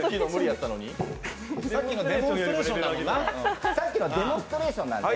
さっきのはデモンストレーションなんで。